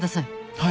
はい。